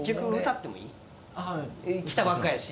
来たばっかやし。